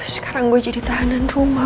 sekarang gue jadi tahanan rumah